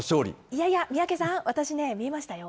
いやいや、三宅さん、私ね、見えましたよ。